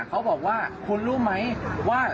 เขาบอกว่าคุณรู้ไหมว่า